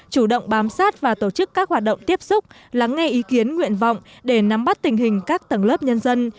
chủ động bám sát và tổ chức các hoạt động tiếp xúc lắng nghe ý kiến nguyện vọng để nắm bắt tình hình các tầng lớp nhân dân